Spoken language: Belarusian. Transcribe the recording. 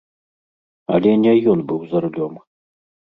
Але не ён быў за рулём.